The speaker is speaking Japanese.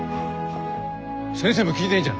先生も効いてんじゃん。